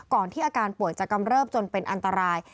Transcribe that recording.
ที่อาการป่วยจะกำเริบจนเป็นอันตราย